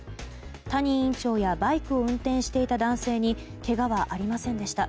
谷委員長やバイクを運転していた男性にけがはありませんでした。